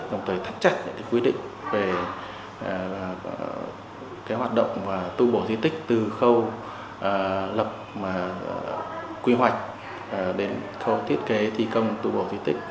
đồng thời thắt chặt những quy định về hoạt động tu bổ di tích từ khâu lập quy hoạch đến khâu thiết kế thi công tu bổ di tích